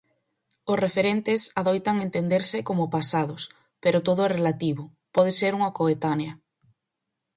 Os referentes adoitan entenderse como pasados, pero todo é relativo, pode ser unha coetánea.